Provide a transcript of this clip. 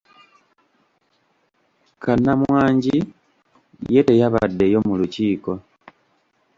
Kannamwangi ye teyabaddeyo mu lukiiko.